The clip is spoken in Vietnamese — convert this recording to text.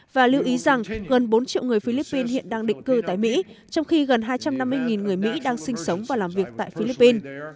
và lưu ý rằng gần bốn triệu người philippines hiện đang định cư tại mỹ trong khi gần hai trăm năm mươi người mỹ đang sinh sống và làm việc tại philippines